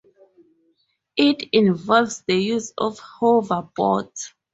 It involves the use of hoverboards.